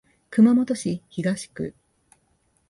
熊本市東区